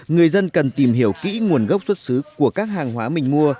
người dân cần tìm hiểu kỹ nguồn gốc xuất xứ của các hàng hóa mình mua